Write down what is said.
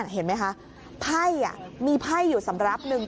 เห็นไหมคะไพ่มีไพ่อยู่สำหรับหนึ่ง